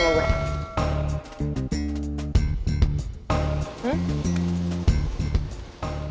ada perlu apa sama gue